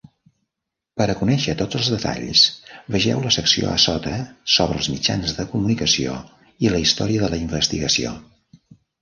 Per a conèixer tots els detalls, vegeu la secció a sota sobre els mitjans de comunicació i la història de la investigació.